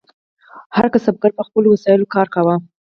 هر کسبګر به په خپلو وسایلو کار کاوه.